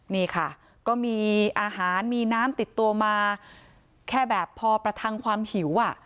นี่ค่ะก็มีอาหารมีน้ำติดตัวมาแค่แบบพอประทังความหิว